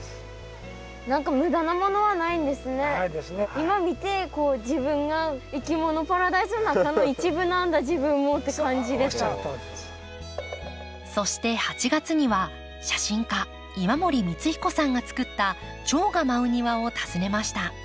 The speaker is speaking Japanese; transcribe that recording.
今見てそして８月には写真家今森光彦さんが作ったチョウが舞う庭を訪ねました。